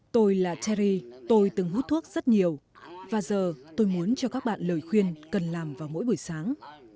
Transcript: tôi là terry tôi từng hút thuốc rất nhiều và giờ tôi muốn cho các bạn lời khuyên cần làm vào mỗi buổi sáng